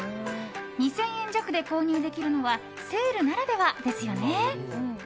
２０００円弱で購入できるのはセールならではですよね。